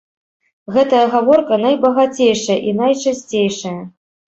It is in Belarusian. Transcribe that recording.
Гэтая гаворка найбагацейшая і найчысцейшая.